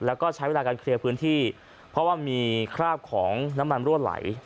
แล้วก็ใช้เวลาการเคลียร์พื้นที่เพราะว่ามีคราบของน้ำมันรั่วไหล